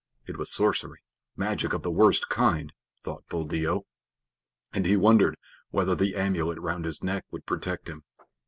It was sorcery, magic of the worst kind, thought Buldeo, and he wondered whether the amulet round his neck would protect him.